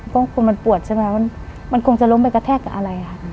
เพราะคนมันปวดใช่ไหมมันคงจะล้มไปกระแทกกับอะไรค่ะ